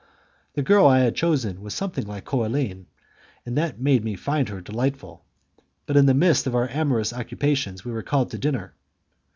The girl I had chosen was something like Coraline, and that made me find her delightful. But in the midst of our amorous occupations we were called to dinner.